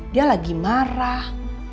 dia lagi marah